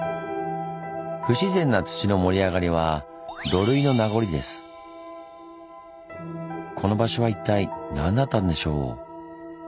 不自然な土の盛り上がりはこの場所は一体何だったんでしょう？